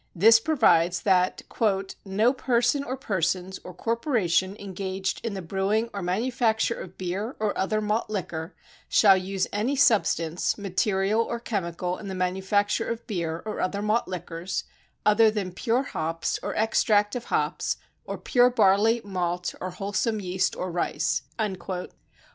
This pro vides that " no person or persons or corpor ation engaged in the brewing or manufacture of beer or other malt liquor, shall use any substance, material or chemical in the manu facture of beer or other malt liquors other than pure hops or extract of hops or pure barley, malt or wholesome yeast or rice."